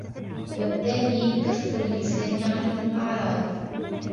وَالثَّانِي كَفُّ اللِّسَانِ عَنْ الْأَعْرَاضِ